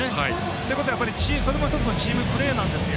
ということは、それも１つのチームプレーなんですよ。